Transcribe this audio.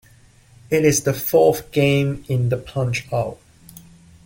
It is the fourth game in the "Punch-Out!!